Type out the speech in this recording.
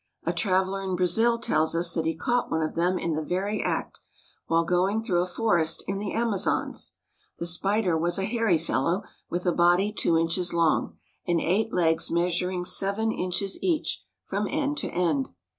A traveller in Brazil tells us that he caught one of them in the very act, while going through a forest in the Amazons. The spider was a hairy fellow, with a body two inches long, and eight legs measuring seven inches each, from end to end.